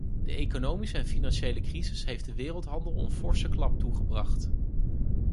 De economische en financiële crisis heeft de wereldhandel een forse klap toegebracht.